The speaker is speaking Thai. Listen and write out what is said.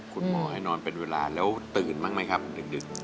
คุณหมอให้นอนเป็นเวลาแล้วตื่นบ้างไหมครับดึก